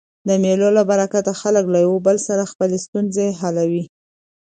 د مېلو له برکته خلک له یو بل سره خپلي ستونزي حلوي.